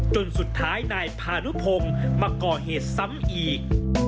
จนสุดท้ายนายพานุพงศ์มาก่อเหตุซ้ำอีก